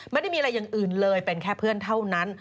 ไม่ได้มีอะไรอย่างอื่นเลยเป็นแค่เพื่อนเท่านั้น